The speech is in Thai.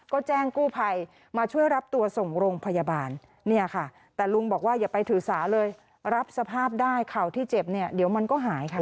ก็แจ้งกู้ภัยมาช่วยรับตัวส่งโรงพยาบาลเนี่ยค่ะแต่ลุงบอกว่าอย่าไปถือสาเลยรับสภาพได้เข่าที่เจ็บเนี่ยเดี๋ยวมันก็หายค่ะ